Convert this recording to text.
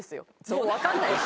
もうわかんない。